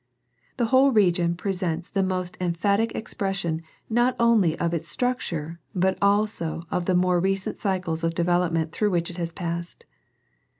The whole region presents the most emphatic expression not only of its structure but also of the more recent cycles of development through which it has passed.